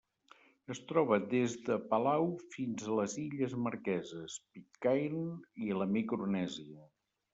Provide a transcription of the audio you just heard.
Es troba des de Palau fins a les Illes Marqueses, Pitcairn i la Micronèsia.